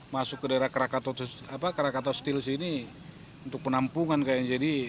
masuk ke daerah krakatau apa krakatau steel sini untuk penampungan kayak jadi